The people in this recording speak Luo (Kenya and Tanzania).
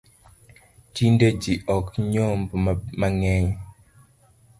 Tinde jii ok nyomb mangeny